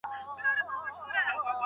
په راتلونکي کي دا دودونه باید پاته نه سي.